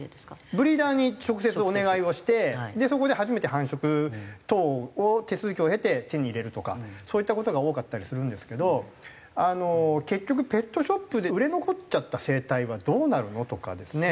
ブリーダーに直接お願いをしてそこで初めて繁殖等を手続きを経て手に入れるとかそういった事が多かったりするんですけど結局ペットショップで売れ残っちゃった生体はどうなるの？とかですね。